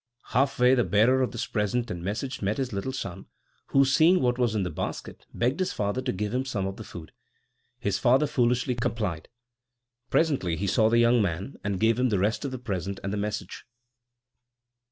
Half way the bearer of this present and message met his little son, who, seeing what was in the basket, begged his father to give him some of the food. His father foolishly complied. Presently he saw the young man, and gave him the rest of the present and the message.